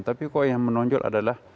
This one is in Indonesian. tapi kok yang menonjol adalah